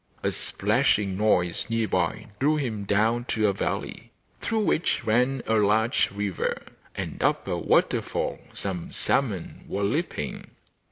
A splashing noise near by drew him down to a valley through which ran a large river, and up a waterfall some salmon were leaping.